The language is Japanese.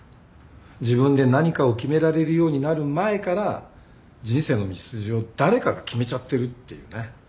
自分で何かを決められるようになる前から人生の道筋を誰かが決めちゃってるっていうね。